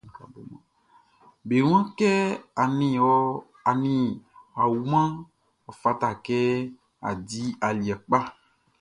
Be waan kɛ a nin a wumanʼn, ɔ fata kɛ a di aliɛ kpa.